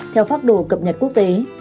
theo pháp đồ cập nhật quốc tế